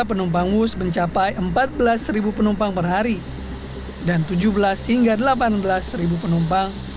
penumpang wus mencapai empat belas penumpang perhari dan tujuh belas hingga delapan belas penumpang